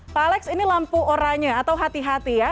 pak alex ini lampu oranya atau hati hati ya